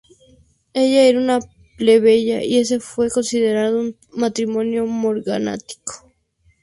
Ella era una plebeya y este fue considerado un matrimonio morganático.